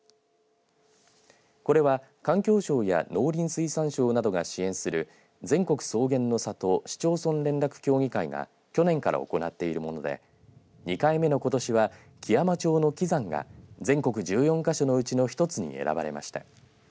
これは環境省や農林水産省などが支援する全国草原の里市町村連絡協議会が去年から行っているもので２回目のことしは基山町の基山が全国１４か所のうちの一つに選ばれました。